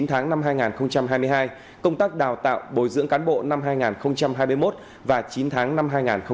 chín tháng năm hai nghìn hai mươi hai công tác đào tạo bồi dưỡng cán bộ năm hai nghìn hai mươi một và chín tháng năm hai nghìn hai mươi bốn